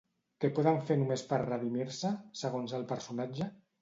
Què poden fer només per redimir-se, segons el personatge?